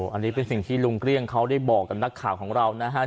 อันนี้เป็นสิ่งที่ลุงเกลี้ยงเขาได้บอกกับนักข่าวของเรานะฮะ